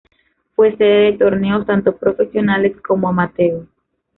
Fue sede de torneos tantos profesionales como amateur.